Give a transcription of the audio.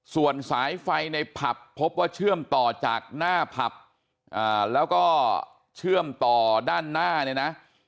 ส่วนสายไฟในผับพบว่าเชื่อมต่อจากหน้าผับแล้วก็เชื่อมต่อด้านหน้าเนี่ยนะ